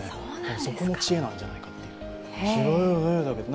そこも知恵なんじゃないかと。